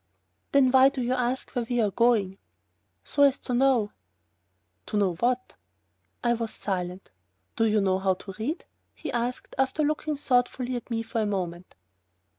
"Then why do you ask where we are going?" "So as to know." "To know what?" I was silent. "Do you know how to read?" he asked, after looking thoughtfully at me for a moment.